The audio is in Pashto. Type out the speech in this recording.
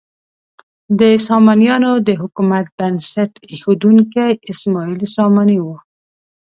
د سامانیانو د حکومت بنسټ ایښودونکی اسماعیل ساماني و.